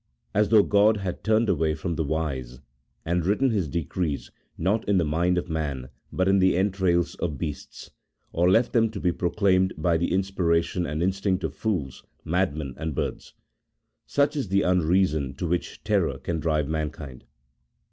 As though God had turned away from the wise, and written His decrees, not in the mind of man but in the entrails of beasts, or left them to be proclaimed by the inspiration and instinct of fools, madmen, and birds. Such is the unreason to which terror can drive mankind